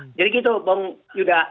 nah jadi gitu bong yuda